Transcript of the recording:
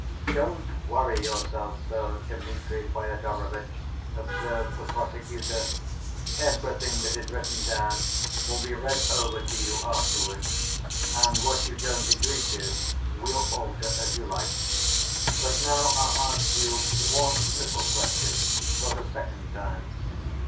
"Don't worry yourself so, Dmitri Fyodorovitch," observed the prosecutor, "everything that is written down will be read over to you afterwards, and what you don't agree to we'll alter as you like. But now I'll ask you one little question for the second time.